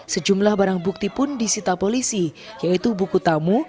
sejumlah barang bukti pun disita polisi yaitu buku tamu